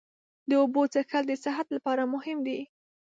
د اوبو څښل د صحت لپاره مهم دي.